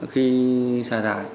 khi xả thải